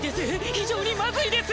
非常にまずいです！